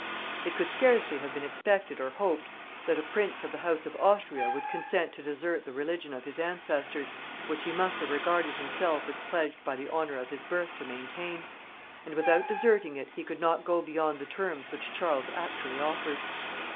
It could scarcely have been expected or hoped that a prince of the house of Austria would consent to desert the religion of his ancestors, which he must have regarded himself as pledged by the honor of his birth to maintain; and without deserting it he could not go beyond the terms which Charles actually offered.